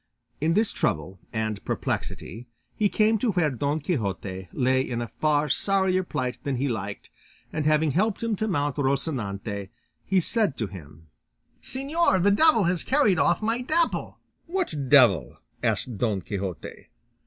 In this trouble and perplexity he came to where Don Quixote lay in a far sorrier plight than he liked, and having helped him to mount Rocinante, he said to him, "Señor, the devil has carried off my Dapple." "What devil?" asked Don Quixote.